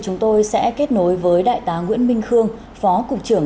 chúng tôi sẽ kết nối với đại tá nguyễn minh khương phó cục trưởng